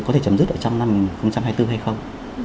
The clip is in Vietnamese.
có thể chấm dứt ở trong năm hai nghìn hai mươi bốn hay không